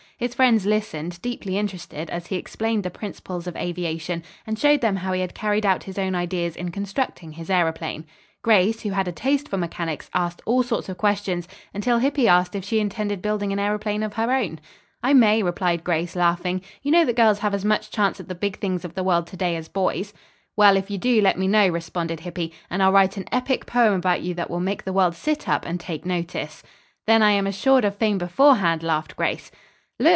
His friends listened, deeply interested, as he explained the principles of aviation, and showed them how he had carried out his own ideas in constructing his aëroplane. Grace, who had a taste for mechanics, asked all sorts of questions, until Hippy asked her if she intended building an aëroplane of her own. "I may," replied Grace, laughing. "You know that girls have as much chance at the big things of the world to day, as boys." "Well, if you do, let me know," responded Hippy, "and I'll write an epic poem about you that will make the world sit up and take notice." "Then I am assured of fame beforehand," laughed Grace. "Look!"